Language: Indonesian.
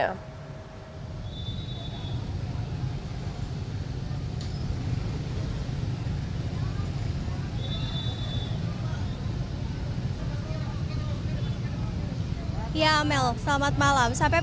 kedua kemudian kemudian